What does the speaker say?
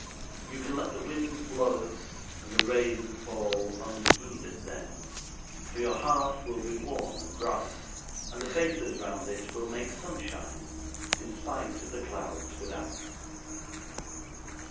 You can let the wind blow and the rain fall unheeded then, for your hearth will be warm and bright, and the faces round it will make sunshine in spite of the clouds without.